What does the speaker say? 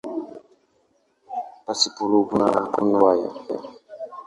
Pasipo lugha hakuna riwaya.